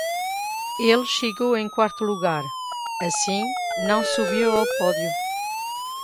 Ele chegou em quarto lugar, assim, não subiu ao pódio.